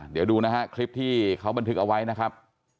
เดี๋ยวดูนะฮะคลิปที่เขาบันทึกเอาไว้นะครับ